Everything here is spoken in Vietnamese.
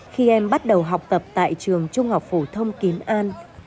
khi em bắt đầu học tập tại trường trung học phổ thông kiến an